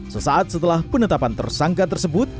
sesaat setelah penetapan tersangka tersebut